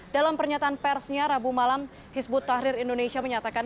dalam pernyataan persnya rabu malam hizbut tahrir indonesia menyatakan